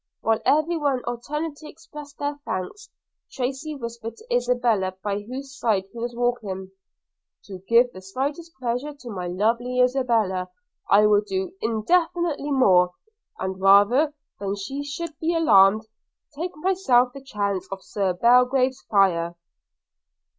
While every one alternately expressed her thanks, Tracy whispered to Isabella, by whose side he was walking: 'To give the slightest pleasure to my lovely Isabella, I would do infinitely more; and, rather than she should be alarmed, take myself the chance of Sir John Belgrave's fire.'